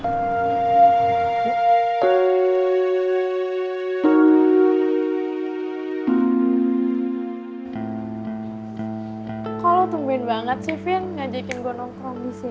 kok lo tumbin banget sih vin ngajakin gue nomprong disini